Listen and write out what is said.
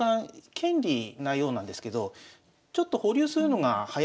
権利なようなんですけどちょっと保留するのがはやりなんですよ。